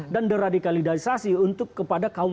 dan deradikalisasi untuk kepada kaum